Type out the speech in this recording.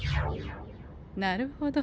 なるほど。